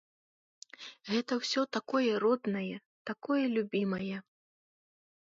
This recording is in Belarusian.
Гэта ўсё такое роднае, такое любімае.